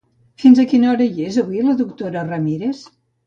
Fins a quina hora hi és avui la doctora Ramírez?